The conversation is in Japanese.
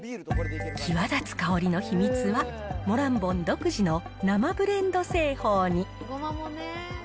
際立つ香りの秘密は、モランボン独自の生ブレンド製法に。